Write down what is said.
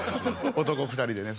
男２人でね。